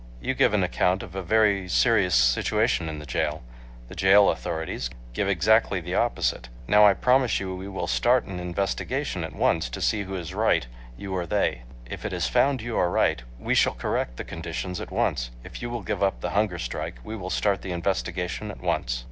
You give an account of a very serious situation in the jail. The jail authorities give exactly the opposite. Now I promise you we will start an investigation at once to see who is right, you or they. If it is found you are right, we shall correct the conditions at once. If you will give up the hunger strike, we will start the investigation at once."